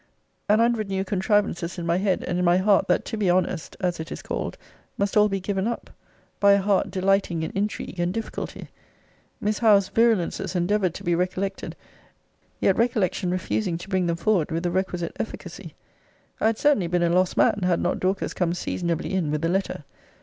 An hundred new contrivances in my head, and in my heart, that to be honest, as it is called, must all be given up, by a heart delighting in intrigue and difficulty Miss Howe's virulences endeavoured to be recollected yet recollection refusing to bring them forward with the requisite efficacy I had certainly been a lost man, had not Dorcas come seasonably in with a letter.